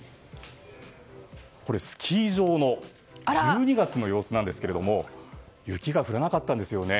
これ、スキー場の１２月の様子なんですけれども雪が降らなかったんですよね。